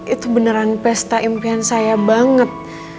itu beneran pesta impian saya banget